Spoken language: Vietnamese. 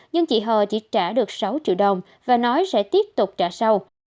nhưng chị hờ chỉ trả được sáu triệu đồng và nói sẽ tiếp tục trả sau